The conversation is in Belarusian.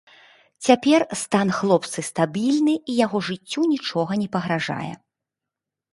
Цяпер стан хлопцы стабільны, і яго жыццю нічога не пагражае.